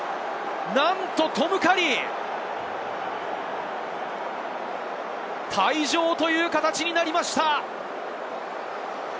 なんとトム・カリー、退場という形になりました。